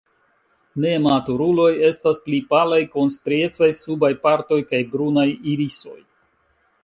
Nematuruloj estas pli palaj, kun striecaj subaj partoj kaj brunaj irisoj.